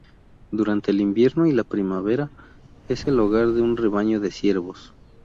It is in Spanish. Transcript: Durante el invierno y la primavera, es el hogar de un rebaño de ciervos.